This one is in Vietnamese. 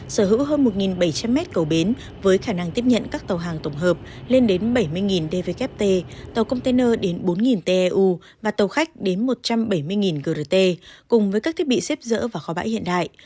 sở hữu hơn một bảy trăm linh mét cầu bến với khả năng tiếp nhận các tàu hàng tổng hợp lên đến bảy mươi dvkt tàu container đến bốn teu và tàu khách đến một trăm bảy mươi grt cùng với các thiết bị xếp dỡ và kho bãi hiện đại